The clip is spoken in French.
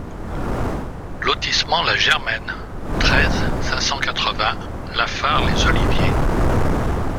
Lotissement la Germaine, treize, cinq cent quatre-vingts La Fare-les-Oliviers